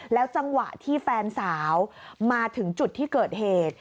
จังหวะที่แฟนสาวมาถึงจุดที่เกิดเหตุ